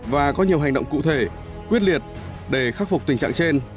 và có nhiều hành động cụ thể quyết liệt để khắc phục tình trạng trên